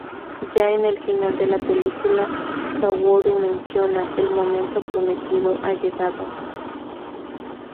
Ya en el final de la película, Kaworu menciona: ""El momento prometido ha llegado.